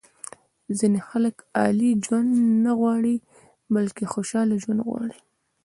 ځینې خلک عالي ژوند نه غواړي بلکې خوشاله ژوند غواړي.